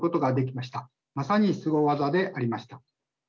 まさにすご技でありました。